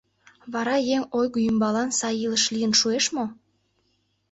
Вара еҥ ойго ӱмбалан сай илыш лийын шуэш мо?